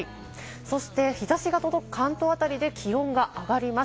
そして日差しが届く関東あたりで気温が上がります。